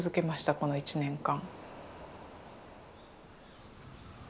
この１年間。